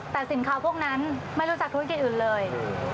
แต่สินค้าพวกนั้นไม่รู้จักธุรกิจอื่นเลย